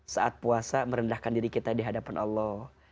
saat puasa merendahkan diri kita di hadapan allah